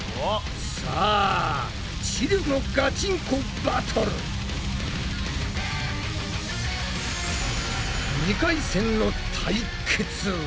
さあ知力のガチンコバトル！２回戦の対決は？